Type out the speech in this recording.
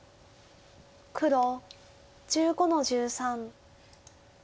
黒１５の十三。